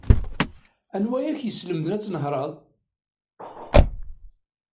Anwa ay ak-yeslemden ad tnehṛed?